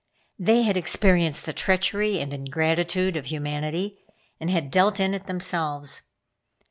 They had experienced the treachery and ingratitude of humanity, and had dealt in it themselves.